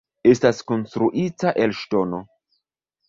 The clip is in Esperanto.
Estas konstruita el ŝtono.